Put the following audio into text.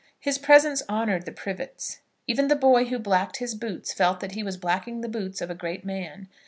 His presence honoured the Privets. Even the boy who blacked his boots felt that he was blacking the boots of a great man.